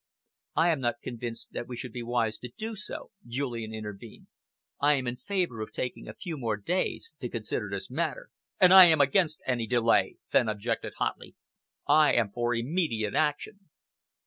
"I am not convinced that we should be wise to do so," Julian intervened. "I am in favour of our taking a few more days to consider this matter." "And I am against any delay," Fenn objected hotly. "I am for immediate action."